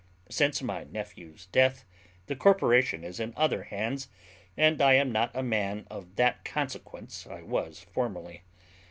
Since my nephew's death, the corporation is in other hands; and I am not a man of that consequence I was formerly.